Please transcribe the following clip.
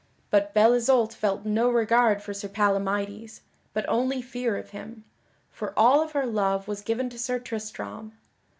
But Belle Isoult felt no regard for Sir Palamydes, but only fear of him, for all of her love was given to Sir Tristram.